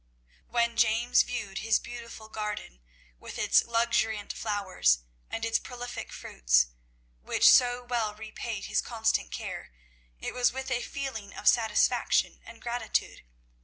When James viewed his beautiful garden, with its luxuriant flowers and its prolific fruits, which so well repaid his constant care, it was with a feeling of satisfaction and gratitude.